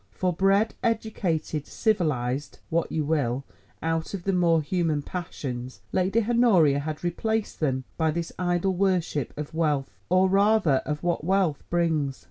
For bred, educated, civilized—what you will—out of the more human passions, Lady Honoria had replaced them by this idol worship of wealth, or rather of what wealth brings.